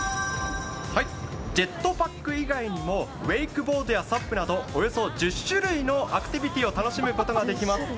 ジェットパック以外にもウェイクボードやサップなどおよそ１０種類のアクティビティーを楽しむことができます。